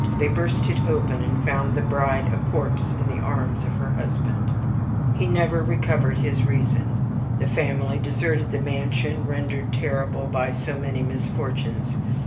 They burst it open, and found the bride a corse in the arms of her husband. ..... He never recovered his reason; the family deserted the mansion rendered terrible by so many misfortunes.